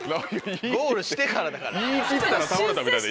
ゴールしてからだから。